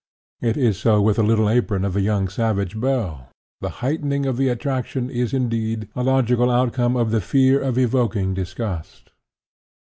It is so with the little apron of the young savage belle. The heightening of the attraction is, indeed, a logical outcome of the fear of evoking disgust.